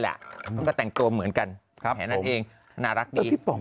แหละก็แต่งตัวเหมือนกันครับแผนนั่นเองน่ารักดีแต่พี่ป๋อง